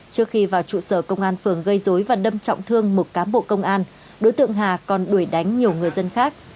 trước khi vào trụ sở công an phường gây dối và đâm trọng thương một cám bộ công an đối tượng hà còn đuổi đánh nhiều người dân khác